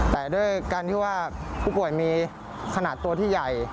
แต่ด้วยการที่ว่าผู้ป่วยมีขนาดตัวที่ใหญ่